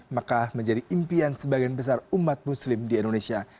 mekah menjadi impian sebagian besar umat muslim di indonesia